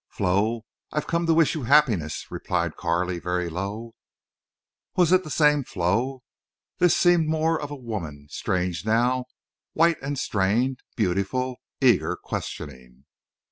"Flo, I've come to wish you happiness," replied Carley, very low. Was it the same Flo? This seemed more of a woman—strange now—white and strained—beautiful, eager, questioning.